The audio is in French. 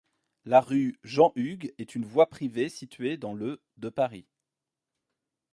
La rue Jean-Hugues est une voie privée située dans le de Paris.